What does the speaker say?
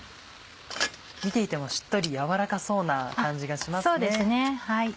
見ていてもしっとり軟らかそうな感じがしますね。